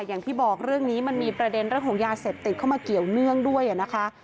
อย่างที่บอกเรื่องนี้มันมีประเด็นเรื่องของยาเสพติดเข้ามาเกี่ยวเนื่องด้วยนะคะ